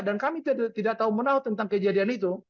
dan kami tidak tahu menau tentang kejadian itu